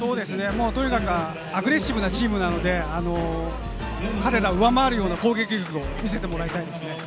とにかくアグレッシブなチームなので彼らを上回るような攻撃力を見せてもらいたいですね。